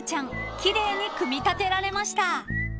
奇麗に組み立てられました］